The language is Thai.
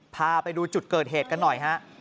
พาไปดูจุดเกิดเหตุกันหน่อยฮะ